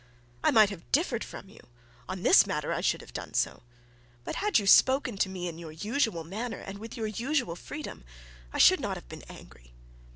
I might have differed from you; on this matter I should have done so; but had you spoken to me in your usual manner and with your usual freedom I should not have been angry.